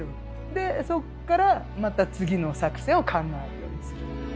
でそっからまた次の作戦を考えるようにする。